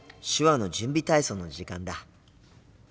手話の準備体操の時間だ！